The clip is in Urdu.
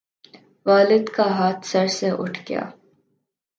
والد کا ہاتھ سر سے اٹھ گیا